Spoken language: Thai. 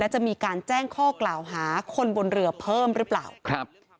จะมีการแจ้งข้อกล่าวหาคนบนเรือเพิ่มหรือเปล่าครับ